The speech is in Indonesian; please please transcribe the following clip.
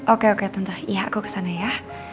oke oke tante ya aku kesana ya